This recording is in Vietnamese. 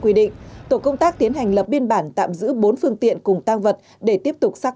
quy định tổ công tác tiến hành lập biên bản tạm giữ bốn phương tiện cùng tăng vật để tiếp tục xác